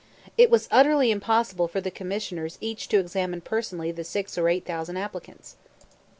It was utterly impossible for the Commissioners each to examine personally the six or eight thousand applicants.